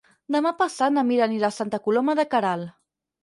Demà passat na Mira anirà a Santa Coloma de Queralt.